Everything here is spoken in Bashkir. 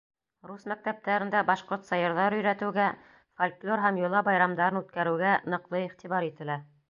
Рус мәктәптәрендә башҡортса йырҙар өйрәтеүгә, фольклор һәм йола байрамдарын үткәреүгә ныҡлы иғтибар ителә.